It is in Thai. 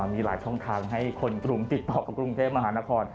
มีหลายช่องทางให้คนกรุงติดต่อกับกรุงเทพมหานคร